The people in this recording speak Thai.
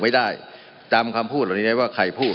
มันมีมาต่อเนื่องมีเหตุการณ์ที่ไม่เคยเกิดขึ้น